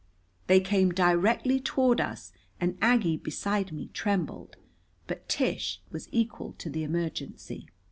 They came directly toward us, and Aggie beside me trembled. But Tish was equal to the emergency.